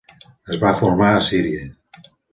Es va formar a Síria.